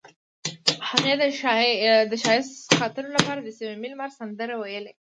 هغې د ښایسته خاطرو لپاره د صمیمي لمر سندره ویله.